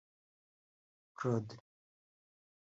Claude